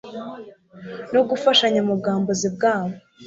no gufashanya mu bwambuzi bwabo.